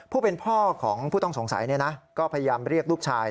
ผู้เป็นพ่อของผู้ต้องสงสัยก็พยายามเรียกลูกชาย